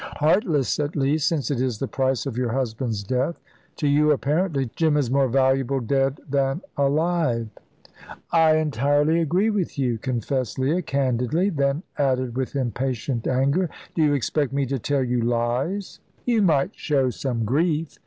"Heartless, at least, since it is the price of your husband's death. To you, apparently, Jim is more valuable dead than alive." "I entirely agree with you," confessed Leah, candidly; then added with impatient anger, "Do you expect me to tell you lies?" "You might show some grief."